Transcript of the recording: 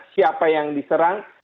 siapa yang diserang